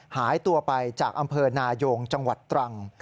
หายตัวไปจากอำเภอนายงจังหวัดตรัง